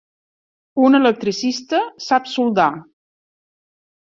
Un electricista sap soldar.